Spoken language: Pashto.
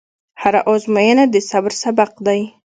هره ازموینه د صبر سبق دی.